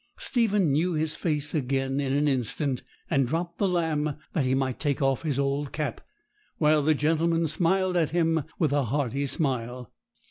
Stephen knew his face again in an instant, and dropped the lamb that he might take off his old cap, while the gentleman smiled at him with a hearty smile.